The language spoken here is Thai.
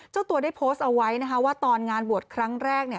เจ้าตัวได้โพสต์เอาไว้นะคะว่าตอนงานบวชครั้งแรก